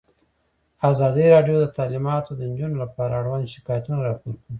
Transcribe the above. ازادي راډیو د تعلیمات د نجونو لپاره اړوند شکایتونه راپور کړي.